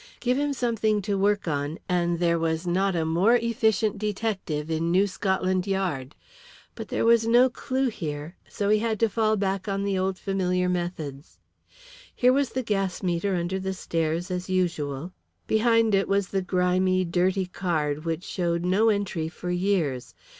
Give him something to work on, and there was not a more efficient detective in New Scotland Yard. But there was no clue here, so he had to fall back on the old familiar methods. Here was the gas meter under the stairs as usual. Behind it was the grimy, dirty card, which showed no entry for years.